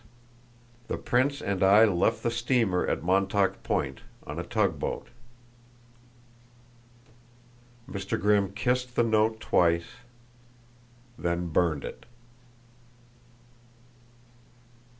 The prince and I left the steamer at Montauk Point, on a tug boat." Mr. Grimm kissed the note twice, then burned it.